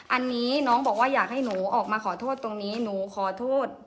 อันนี้น้องบอกว่าอยากให้หนูออกมาขอโทษตรงนี้หนูขอโทษ